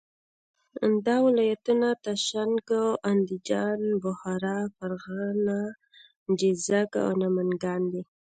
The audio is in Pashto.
دا ولایتونه تاشکند، اندیجان، بخارا، فرغانه، جیزک او نمنګان دي.